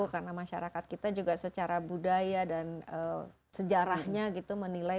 karena masyarakat kita juga secara budaya dan sejarahnya gitu menilai